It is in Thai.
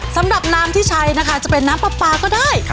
สำหรับน้ำที่ใช้นะคะจะเป็นน้ำปลาก็ได้